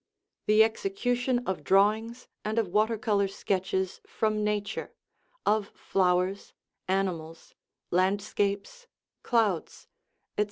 The execution of drawings and of water color sketches from nature (of flowers, animals, land scapes, clouds, etc.)